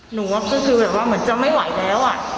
หนูก็คือแบบว่าเหมือนจะไม่ไหวแล้ว